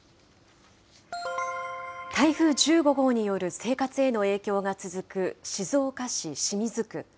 台風１５号による生活への影響が続く静岡市清水区。